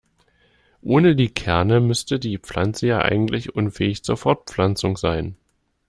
Ohne die Kerne müsste die Pflanze ja eigentlich unfähig zur Fortpflanzung sein.